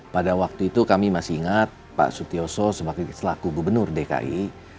pada waktu itu kami masih ingat pak sutioso sebagai selaku gubernur dki